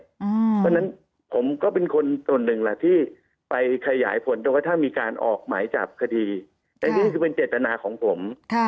เพราะฉะนั้นผมก็เป็นคนส่วนหนึ่งที่ไปขยายผลโดยว่าถ้ามีการออกหมายจากคดีนั่นก็เป็นเจตนาของผม